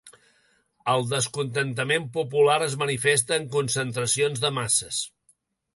El descontentament popular es manifesta en concentracions de masses.